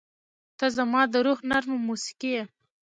• ته زما د روح نرمه موسیقي یې.